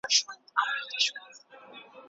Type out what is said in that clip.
که ټغر جوړ کړو نو فرش نه کمیږي.